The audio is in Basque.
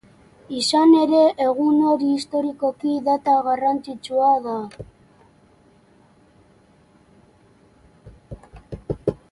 Izan ere, egun hori historikoki data garrantzitsua da.